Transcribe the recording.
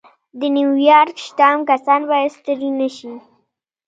د نيويارک شتمن کسان بايد ستړي نه شي.